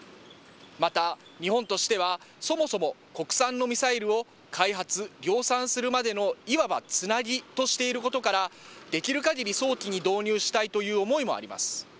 また、日本としては、そもそも国産のミサイルを、開発・量産するまでのいわばつなぎとしていることから、できるかぎり早期に導入したいという思いもあります。